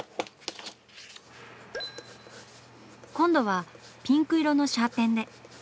今度はピンク色のシャーペンで。